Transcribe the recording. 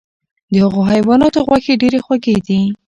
د هغو حیواناتو غوښې ډیرې خوږې دي،